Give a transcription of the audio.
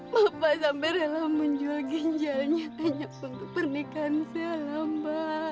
bapak sampai rela menjual ginjalnya hanya untuk pernikahan stella mbak